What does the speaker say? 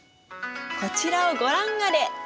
こちらをご覧あれ。